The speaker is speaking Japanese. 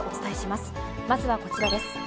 まずはこちらです。